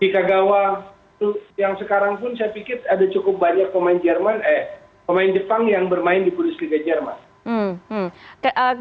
di kagawa yang sekarang pun saya pikir ada cukup banyak pemain jepang yang bermain di bundesliga jerman